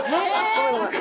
「ごめんごめん。